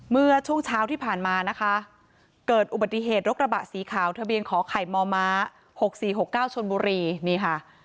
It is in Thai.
เมื่อช่วงเช้าที่ผ่านมานะคะเกิดอุบัติเหตุรถกระบะสีขาวทะเบียนขอไข่มม๖๔๖๙ชนบุรีนี่ค่ะ